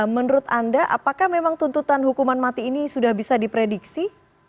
menurut anda apakah memang tuntutan hukuman mati ini sudah bisa diprediksi